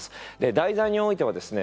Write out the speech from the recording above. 題材においてはですね